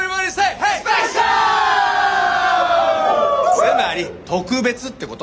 つまり特別ってこと。